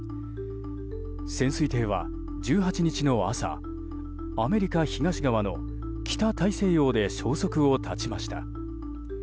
潜水艇は１８日の朝アメリカ東側の北大西洋で消息を絶ちました。